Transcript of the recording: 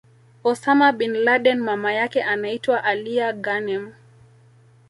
Osama bin Laden Mama yake anaitwa Alia Ghanem